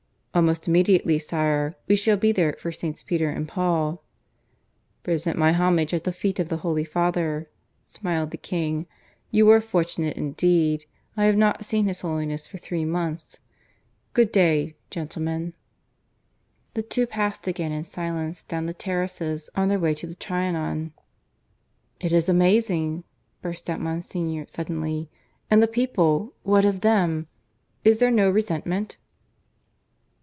"Almost immediately, sire. We shall be there for SS. Peter and Paul." "Present my homage at the feet of the Holy Father," smiled the King. "You are fortunate indeed. I have not seen His Holiness for three months. Good day gentlemen." The two passed again in silence down the terraces on their way to the Trianon. "It is amazing," burst out Monsignor suddenly. "And the people. What of them? Is there no resentment?"